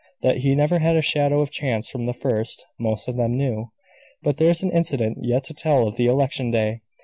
That he never had a shadow of chance from the first, most of them knew. But there's an incident yet to tell of the election day.